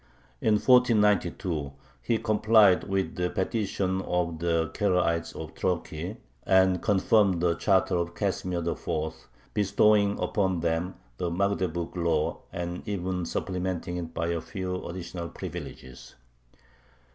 In 1492 he complied with the petition of the Karaites of Troki, and confirmed the charter of Casimir IV., bestowing upon them the Magdeburg Law, and even supplementing it by a few additional privileges.